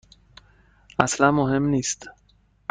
اصلا مهم نیست.